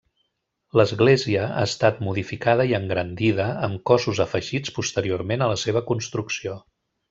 L'església ha estat modificada i engrandida amb cossos afegits posteriorment a la seva construcció.